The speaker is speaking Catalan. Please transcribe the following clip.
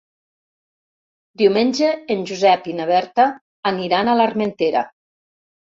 Diumenge en Josep i na Berta aniran a l'Armentera.